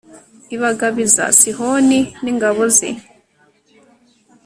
ibagabiza sihoni n'ingabo ze